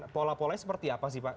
pola polanya seperti apa sih pak